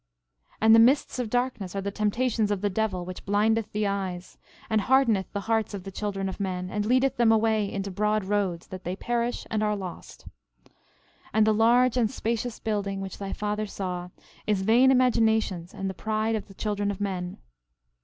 12:17 And the mists of darkness are the temptations of the devil, which blindeth the eyes, and hardeneth the hearts of the children of men, and leadeth them away into broad roads, that they perish and are lost. 12:18 And the large and spacious building, which thy father saw, is vain imaginations and the pride of the children of men.